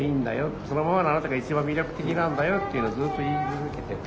そのままのあなたが一番魅力的なんだよっていうのをずっと言い続けてて。